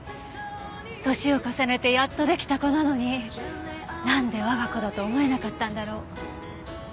年を重ねてやっと出来た子なのになんで我が子だと思えなかったんだろう？